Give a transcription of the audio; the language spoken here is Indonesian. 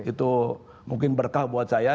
itu mungkin berkah buat saya